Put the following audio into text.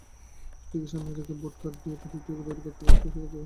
সেটিকে সামনে রেখে বোর্ড, কাঠ দিয়ে প্রতীকটি তৈরি করতে ব্যস্ত শিক্ষার্থীরা।